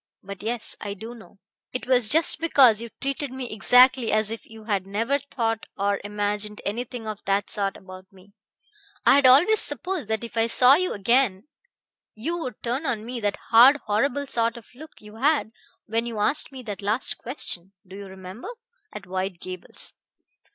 "But yes I do know. It was just because you treated me exactly as if you had never thought or imagined anything of that sort about me. I had always supposed that if I saw you again you would turn on me that hard, horrible sort of look you had when you asked me that last question do you remember? at White Gables.